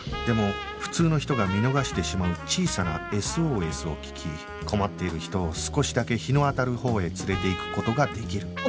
でも普通の人が見逃してしまう小さな ＳＯＳ を聞き困っている人を少しだけ日の当たるほうへ連れていく事ができる